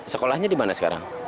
sekolahnya dimana sekarang